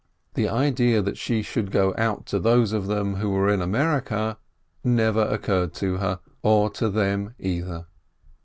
The idea that she should go out to those of them who were in America, never occurred to her, or to them, either